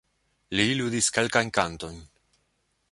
Li ludis kelkajn kantojn.